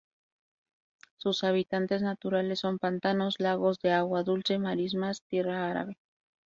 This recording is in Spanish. Sus hábitats naturales son pantanos, lagos de agua dulce, marismas, tierra arable.